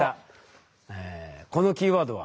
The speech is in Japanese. このキーワードは。